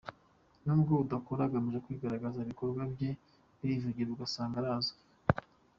Nubwo adakora agamije kwigaragaza, ibikorwa bye birivugira ugasanga arazwi.